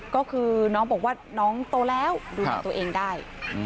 ก็คือน้องบอกว่าน้องโตแล้วดูแลตัวเองได้